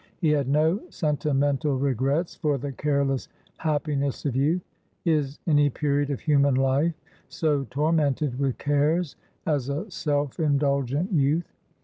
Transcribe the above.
He had no sentimental regrets for the careless happiness of youth. Is any period of human life so tormented with cares as a self indulgent youth?